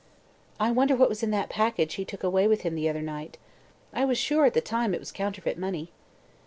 "I wonder what was in that package he took away with him the other night?" mused Josie. "I was sure, at the time, it was counterfeit money."